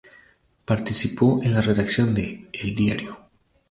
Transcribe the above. Participó en la redacción de "El Diario".